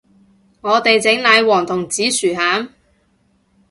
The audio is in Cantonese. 我哋整奶黃同紫薯餡